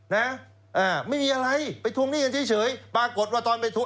นะอ่าไม่มีอะไรไปทวงหนี้กันเฉยเฉยปรากฏว่าตอนไปทวง